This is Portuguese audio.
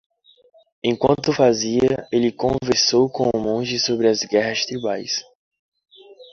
Enquanto o fazia, ele conversou com o monge sobre as guerras tribais.